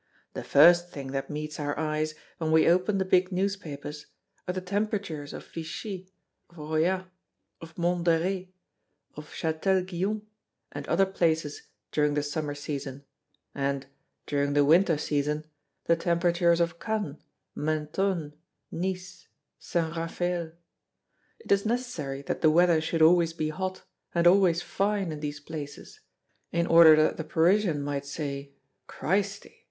The first thing that meets our eyes when we open the big newspapers are the temperatures of Vichy, of Royat, of Mont Doré, of Chatel Guyon, and other places during the summer season, and, during the winter season, the temperatures of Cannes, Mentone, Nice, Saint Raphael. It is necessary that the weather should always be hot and always fine in these places, in order that the Parisian might say: 'Christi!